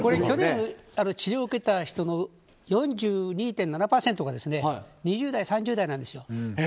去年、治療を受けた人の４２．７％が２０代、３０代なんですよ。